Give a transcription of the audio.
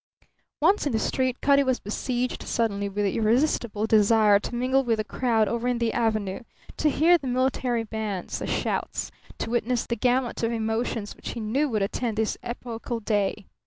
Once in the street, Cutty was besieged suddenly with the irresistible desire to mingle with the crowd over in the Avenue, to hear the military bands, the shouts, to witness the gamut of emotions which he knew would attend this epochal day.